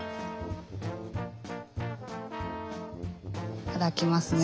いただきますね。